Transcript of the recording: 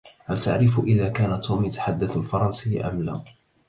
هل تعرف إذا كان توم يتحدث الفرنسية أم لا؟